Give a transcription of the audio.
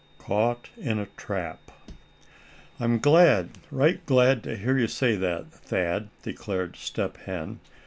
CAUGHT IN A TRAP. "I'm glad, right glad to hear you say that, Thad," declared Step Hen.